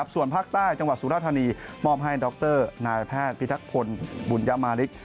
ส่วนภาคใต้จังหวัดสุราธานีมอบให้ดรนายแพทย์พิทักพลบุญยมาริก